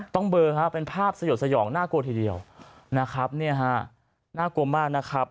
ต้องเบลอเป็นภาพสยดสยองน่ากลัวทีเดียวน่ากลัวมากนะครับ